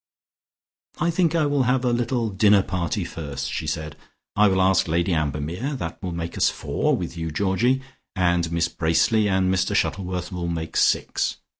"I think I will have a little dinner party first," she said. "I will ask Lady Ambermere. That will make us four, with you Georgie, and Miss Bracely and Mr Shuttleworth will make six.